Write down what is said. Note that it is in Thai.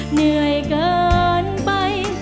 เหนื่อยเกินไป